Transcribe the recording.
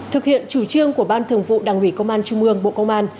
thực hiện chủ trương của ban thường vụ đảng ủy công an trung ương bộ công an